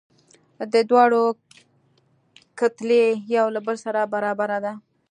د دواړو کتلې یو له بل سره برابره ده.